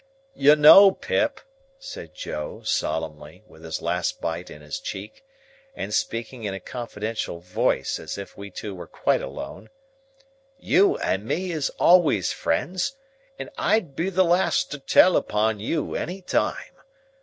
"You know, Pip," said Joe, solemnly, with his last bite in his cheek, and speaking in a confidential voice, as if we two were quite alone, "you and me is always friends, and I'd be the last to tell upon you, any time.